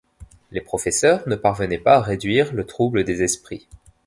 Les professeurs ne parvenaient pas à réduire le trouble des esprits.